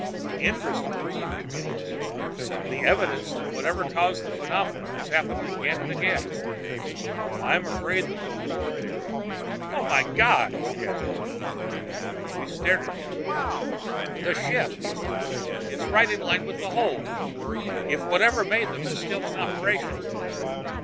"Interesting," said Gonzales. "The evidence that whatever causes the phenomenon has happened again and again. I'm afraid that the war theory " "Oh, my God!" gasped Burton. We stared at him. "The ship," he whispered. "It's right in line with the holes! If whatever made them is still in operation...."